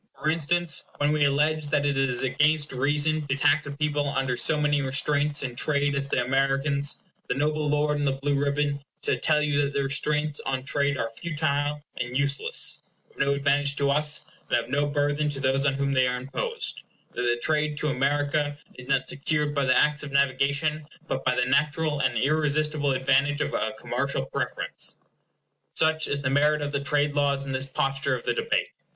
For instance, when we allege that it is against reason to tax a people under so many restraints in trade as the Americans, the noble lord in the blue ribbon shall tell you that the restraints on trade are futile and useless of no advantage to us, and of no burthen to those on whom they are imposed; that the trade to America is not secured by the Acts of Navigation, but by the natural and irresistible advantage of a commercial preference. Such is the merit of the trade laws in this posture of the debate.